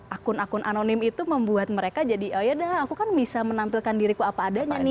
akun akun anonim itu membuat mereka jadi oh ya dah aku kan bisa menampilkan diriku apa adanya nih